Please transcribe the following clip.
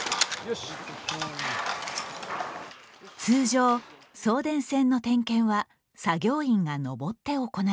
通常、送電線の点検は作業員がのぼって行います。